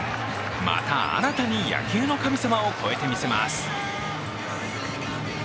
また新たに野球の神様を超えてみせます。